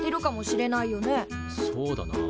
そうだな。